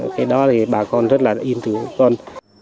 cái đó thì bà con rất là yên tĩnh